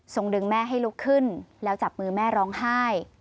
ดึงแม่ให้ลุกขึ้นแล้วจับมือแม่ร้องไห้